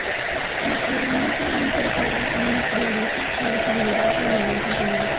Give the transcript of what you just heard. La herramienta no interfiere ni prioriza la visibilidad de ningún contenido.